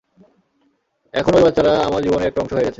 এখন ওই বাচ্চারা আমার জীবনের একটা অংশ হয়ে গেছে।